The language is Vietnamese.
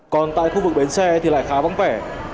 còn tại khu vực bến xe thì lại khá vắng vẻ